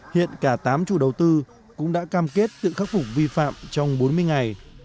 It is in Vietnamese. hiện cả tám chủ đầu tư cũng đã cam kết tự khắc phục vi phạm trong bốn mươi ngày